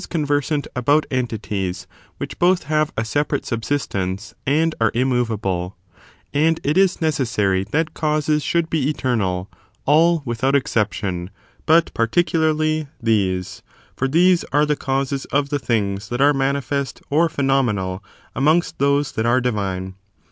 But Metaphysics, or the First Philosophy, is conversant about entities which both have a separate subsistence and are immovable ; and it is necessary that causes should be eternal, all without exception, but particularly these : for these are the causes of the things that are manifest or phenomenal amongst those that are divine.